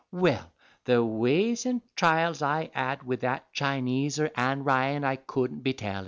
Well, the ways and trials I had wid that Chineser, Ann Ryan, I couldn't be tellin'.